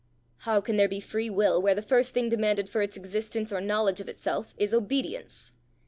"How can there be free will where the first thing demanded for its existence or knowledge of itself is obedience?"